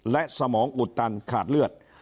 และสมองอุดตันใคร